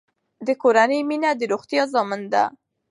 د کورنۍ مینه د روغتیا ضامن ده.